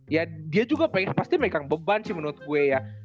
ya dia juga pasti megang beban sih menurut gue ya